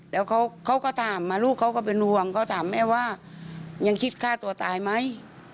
แล้วเขาก็ถามมาลูกเขาก็เป็นห่วงเขาถามแม่ว่ายังคิดฆ่าตัวตายไหม